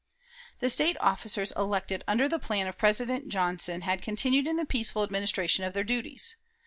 The State officers elected under the plan of President Johnson had continued in the peaceful administration of their duties.